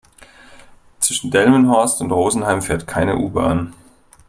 Zwischen Delmenhorst und Rosenheim fährt keine U-Bahn